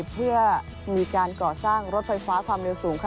เพื่อมีการก่อสร้างรถไฟฟ้าความเร็วสูงค่ะ